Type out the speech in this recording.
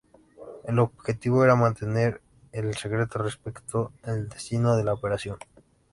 El objetivo era mantener el secreto respecto del destino de la operación.